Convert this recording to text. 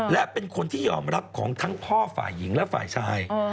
และเป็นคนที่ยอมรับของทั้งพ่อฝ่ายหญิงและฝ่ายชาย